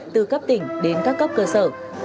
từ cấp tỉnh đến các cấp cơ sở